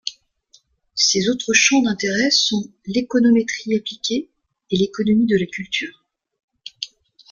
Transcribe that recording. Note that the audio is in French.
Ses autres champs d'intérêts sont l'économétrie appliquée et l'économie de la culture.